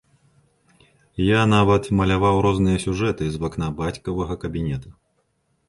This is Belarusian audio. Я нават маляваў розныя сюжэты з вакна бацькавага кабінета.